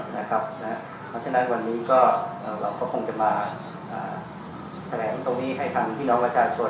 เพราะฉะนั้นวันนี้เราก็คงจะมาแถลงตรงนี้ให้ทางพี่น้องประชาชน